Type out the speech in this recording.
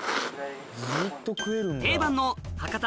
定番の博多